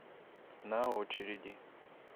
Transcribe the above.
На очереди